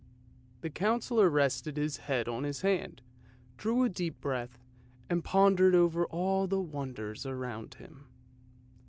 The Councillor rested his head on his hand, drew a deep breath, and pondered over all the wonders around him.